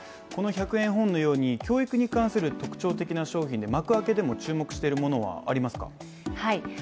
この１００円絵本のように教育に関する本でＭａｋｕａｋｅでも注目しているものはありますか？